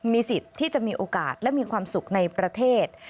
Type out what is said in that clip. มีสิทธิ์ที่จะมีโอกาสและมีความสุขในประเทศ